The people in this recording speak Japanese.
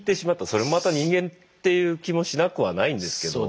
それもまた人間っていう気もしなくはないんですけど。